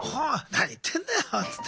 何言ってんだよっつって。